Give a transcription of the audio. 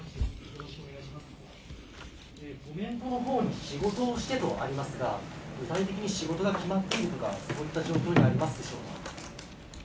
コメントのほうに、仕事をしてとありますが、具体的に仕事が決まったりとか、そういった状況にありますでしょ